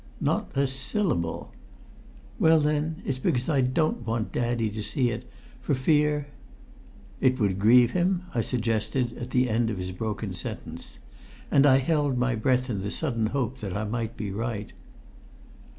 "Not a syllable." "Well then it's because I don't want Daddy to see it, for fear "" it would grieve him?" I suggested as the end of his broken sentence. And I held my breath in the sudden hope that I might be right.